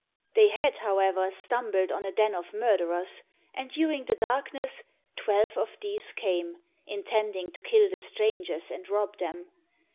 They had, however, stumbled on a den of murderers, and during the darkness twelve of these came, intending to kill the strangers and rob them.